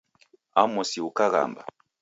Amosi ukaghamba